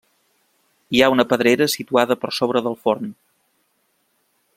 Hi ha una pedrera situada per sobre del forn.